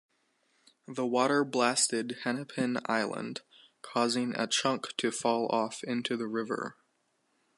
The water blasted Hennepin Island, causing a chunk to fall off into the river.